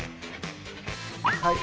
はい。